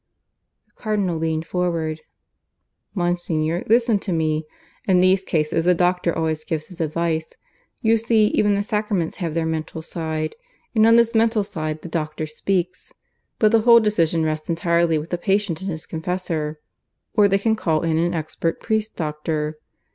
The Cardinal leaned forward. "Monsignor, listen to me. In these cases the doctor always gives his advice. You see even the sacraments have their mental side; and on this mental side the doctor speaks. But the whole decision rests entirely with the patient and his confessor; or they can call in an expert priest doctor.